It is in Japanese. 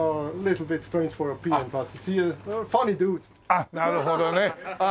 あっなるほどね！